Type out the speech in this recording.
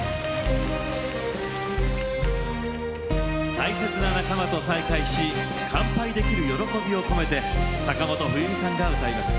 大切な仲間と再会し乾杯できる喜びを込めて坂本冬美さんが歌います。